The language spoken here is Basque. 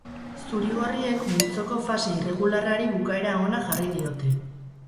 Zurigorriek multzoko fase irregularrari bukaera ona jarri diote.